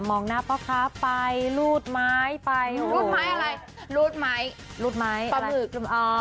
งหน้าพ่อค้าไปรูดไม้ไปรูดไม้อะไรรูดไหมรูดไหมปลาหมึกอ๋อ